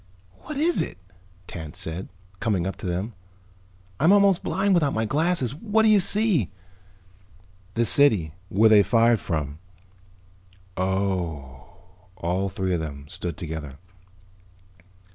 "What is it?" Tance said, coming up to them. "I'm almost blind without my glasses. What do you see?" "The city. Where they fired from." "Oh." All three of them stood together.